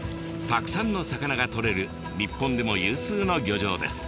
たくさんの魚がとれる日本でも有数の漁場です。